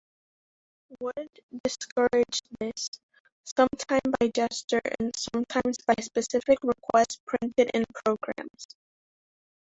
Wood discouraged this, sometime by gesture and sometimes by specific request printed in programmes.